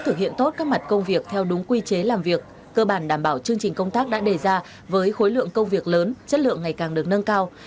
thực hiện tốt các mặt công việc theo đúng quy chế làm việc cơ bản đảm bảo chương trình công tác đã đề ra với khối lượng công việc lớn chất lượng ngày càng được nâng cao